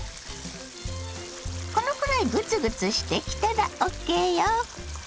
このくらいグツグツしてきたらＯＫよ。